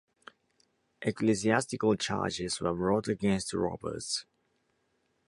Ecclesiastical charges were brought against Roberts.